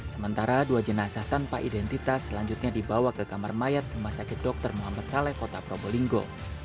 sementara dua jenazah tanpa identitas selanjutnya dibawa ke kamar mayat rumah sakit dr muhammad saleh kota probolinggo